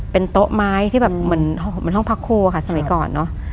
เป็นโต๊ะไม้ที่เหมือนห้องพักครูสมัยก่อน